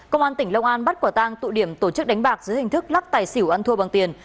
công an tỉnh long an bắt quả tang tụ điểm tổ chức đánh bạc dưới hình thức lắc tài xỉu ăn thua bằng tiền